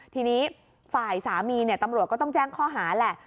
ทีนี้ฝ่ายสามีตำรวจก็ต้องแจ้งข้อหาแหละ